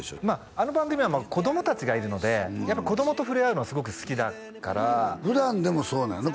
あの番組は子供達がいるのでやっぱり子供と触れ合うのはすごく好きだから普段でもそうなんよね？